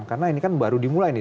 karena ini kan baru dimulai nih